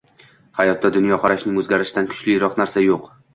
Hayotda dunyoqarashning o‘zgarishidan kuchliroq narsa yo‘q.